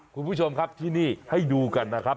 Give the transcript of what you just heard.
คุณผู้ชมครับที่นี่ให้ดูกันนะครับ